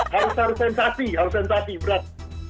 harus harus sensasi harus sensasi berat